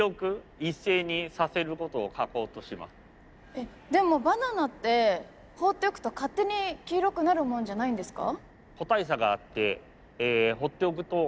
えっでもバナナってほっておくと勝手に黄色くなるもんじゃないんですか？